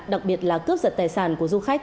đặc biệt là cướp giật tài sản của du khách